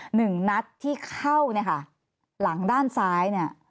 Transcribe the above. หนึ่งนัดที่เข้าหลังด้านซ้าย